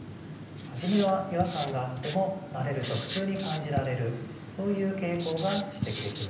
初めは違和感があっても慣れると普通に感じられるそういう傾向が指摘できます。